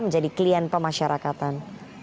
menjadi klien pemasyarakatan